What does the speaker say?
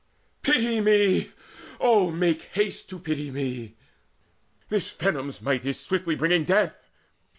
Pity me oh, make haste to pity me! This venom's might is swiftly bringing death!